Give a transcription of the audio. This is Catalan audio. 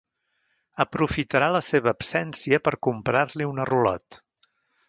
Aprofitarà la seva absència per comprar-li una rulot.